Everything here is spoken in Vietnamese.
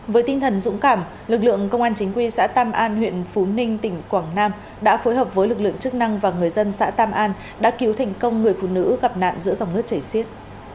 với tinh thần dũng cảm lực lượng công an chính quy xã tam an huyện phú ninh tỉnh quảng nam đã phối hợp với lực lượng chức năng và người dân xã tam an đã cứu thành công người phụ nữ gặp nạn giữa dòng nước chảy xiết